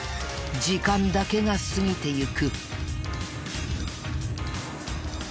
時間だけが過ぎていく。